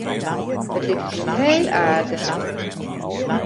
It liket my heel aardich.